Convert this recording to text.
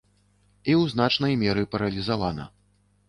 І ў значнай меры паралізавана.